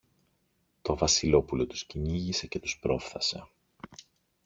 Το Βασιλόπουλο τους κυνήγησε και τους πρόφθασε.